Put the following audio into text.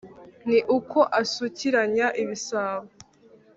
ni uko asukiranya ibisabo